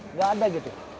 nggak ada gitu